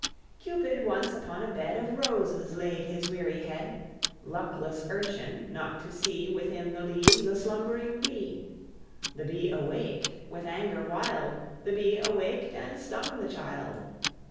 Cupid once upon a bed Of roses laid his weary head; Luckless urchin, not to see Within the leaves a slumbering bee. The bee awak'd with anger wild The bee awak'd, and stung the child.